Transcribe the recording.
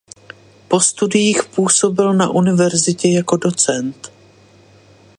Po studiích působil na univerzitě jako docent.